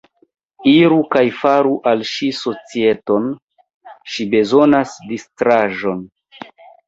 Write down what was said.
Iru kaj faru al ŝi societon; ŝi bezonas distraĵon.